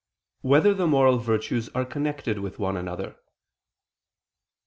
1] Whether the Moral Virtues Are Connected with One Another?